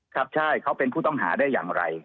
ครับใช่เขาเป็นผู้ต้องหาได้อย่างไร